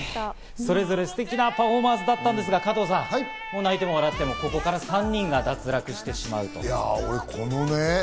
それぞれステキなパフォーマンスだったんですが、加藤さん、泣いても笑ってもここから３人が脱落してしまう。